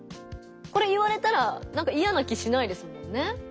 これ言われたらなんかいやな気しないですもんね。